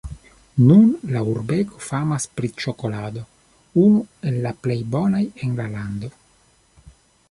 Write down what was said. Nun la urbego famas pri ĉokolado, unu el la plej bonaj en la lando.